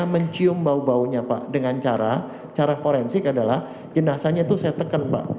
mencium bau baunya pak dengan cara cara forensik adalah jenazahnya itu saya tekan pak